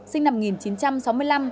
sinh năm một nghìn chín trăm sáu mươi năm